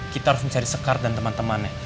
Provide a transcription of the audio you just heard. kita harus mencari sekar dan temen temennya